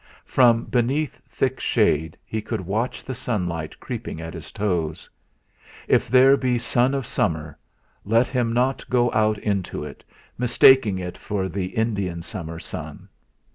From beneath thick shade he should watch the sunlight creeping at his toes. If there be sun of summer, let him not go out into it, mistaking it for the Indian summer sun!